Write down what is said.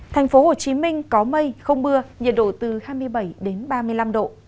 thành phố hồ chí minh có mây không mưa nhiệt độ từ hai mươi bảy đến ba mươi năm độ